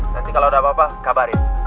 nanti kalau udah apa apa kabarin